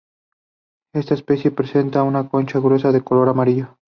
Esta especie presenta una concha gruesa de color amarillo.